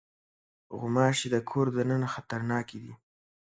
غوماشې د کور دننه خطرناکې دي.